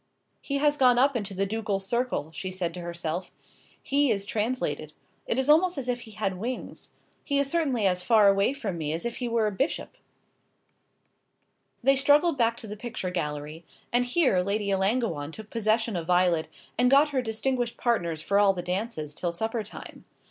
"He has gone up into the ducal circle," she said to herself. "He is translated. It is almost as if he had wings. He is certainly as far away from me as if he were a bishop." They struggled back to the picture gallery, and here Lady Ellangowan took possession of Violet, and got her distinguished partners for all the dances till supper time.